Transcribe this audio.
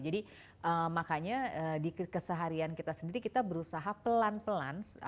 jadi makanya di keseharian kita sendiri kita berusaha pelan pelan